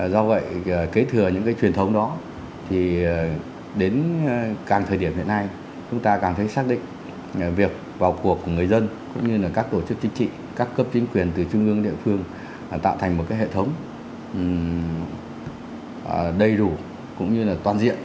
do vậy kế thừa những cái truyền thống đó thì đến càng thời điểm hiện nay chúng ta càng thấy xác định việc vào cuộc của người dân cũng như là các tổ chức chính trị các cấp chính quyền từ trung ương địa phương tạo thành một hệ thống đầy đủ cũng như là toàn diện